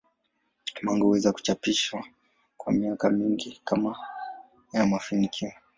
Manga huweza kuchapishwa kwa miaka mingi kama ina mafanikio.